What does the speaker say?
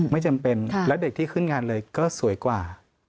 ไม่จำเป็นและเด็กที่ขึ้นงานเลยก็สวยกว่า